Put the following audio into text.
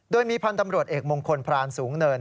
โดยมีพันธ์ตำรวจเอกมงคลพรานสูงเนิน